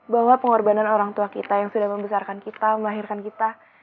bahwa pengorbanan orang tua kita yang sudah membesarkan kita melahirkan kita